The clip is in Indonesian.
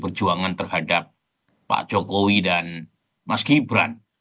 perjuangan terhadap pak jokowi dan mas gibran